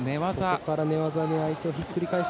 ここから寝技で相手をひっくり返して。